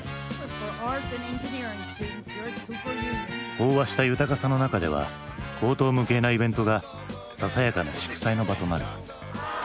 飽和した豊かさの中では荒唐無稽なイベントがささやかな祝祭の場となる。